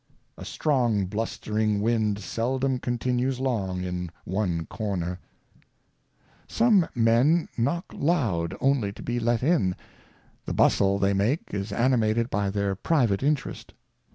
A strong blustring Wind seldom continues long in one Corner. Some Members in Parliament. 159 Some men knock loud only to be let in ; the Bustle they make is animated by their private Interest.